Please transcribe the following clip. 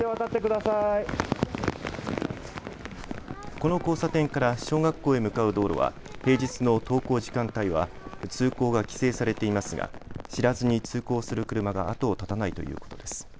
この交差点から小学校へ向かう道路は平日の登校時間帯は通行が規制されていますが知らずに通行する車が後を絶たないということです。